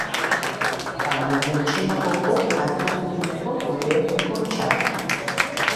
Baino gutxiagoko kategoriako lehenengo txandan.